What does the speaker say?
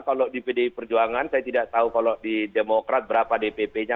kalau di pdi perjuangan saya tidak tahu kalau di demokrat berapa dpp nya